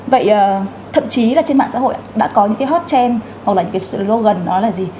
vậy thậm chí là trên mạng xã hội đã có những cái hot trend hoặc là những cái slogan đó là gì